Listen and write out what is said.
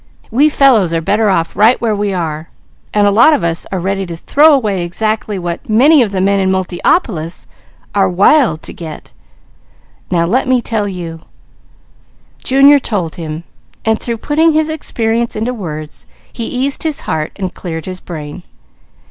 We fellows are better off right where we are, and a lot of us are ready to throw away exactly what many of the men in Multiopolis are wild to get. Now let me tell you " Junior told him, and through putting his experience into words, he eased his heart and cleared his brain.